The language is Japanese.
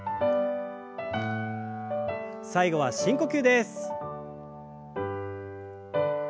最後は深呼吸です。